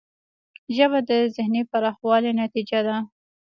ژبه د ذهنی پراخوالي نتیجه ده